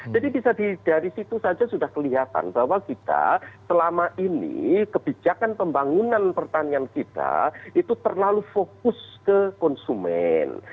bisa dari situ saja sudah kelihatan bahwa kita selama ini kebijakan pembangunan pertanian kita itu terlalu fokus ke konsumen